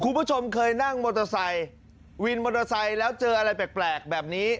คุณผู้ชมเคยนั่งมอเตอร์ไซค์วินมอเตอร์ไซค์แล้วเจออะไรแปลกแบบนี้